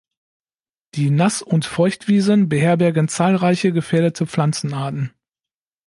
Die Nass- und Feuchtwiesen beherbergen zahlreiche gefährdete Pflanzenarten.